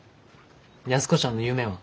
安子ちゃんの夢は？